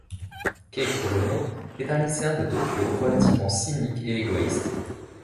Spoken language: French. Kei Kurono est un lycéen de Tokyo relativement cynique et égoïste.